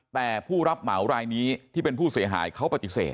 แต่ผู้รับเหมารายนี้ที่เป็นผู้เสียหายเขาปฏิเสธ